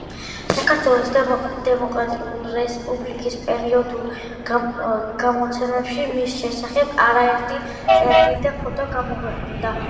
საქართველოს დემოკრატიული რესპუბლიკის პერიოდულ გამოცემებში მის შესახებ არაერთი წერილი და ფოტო გამოქვეყნდა.